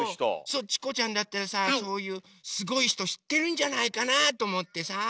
そうチコちゃんだったらさあそういうすごい人知ってるんじゃないかなあと思ってさあ。